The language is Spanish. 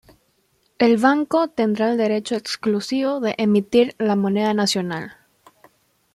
El Banco tendrá el derecho exclusivo de emitir la moneda nacional.